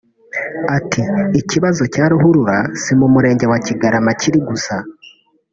Ati “Ikibazo cya ruhurura si mu Murenge wa Kigarama kiri gusa